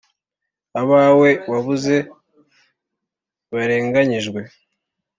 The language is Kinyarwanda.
Abawe wabuze barenganyijwe